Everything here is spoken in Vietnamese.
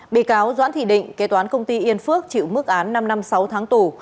bị cáo doãn thị định kế toán công ty yên phước chịu mức án năm năm sáu tháng tù